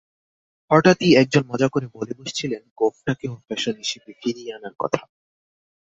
হঠাত্ই একজন মজা করে বলে বসেছিলেন, গোঁফটাকেও ফ্যাশন হিসেবে ফিরিয়ে আনার কথা।